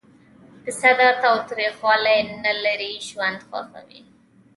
پسه د تاوتریخوالي نه لیرې ژوند خوښوي.